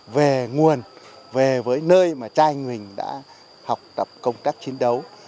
về nguồn về với nơi mà trai mình đã học tập công tác chiến đấu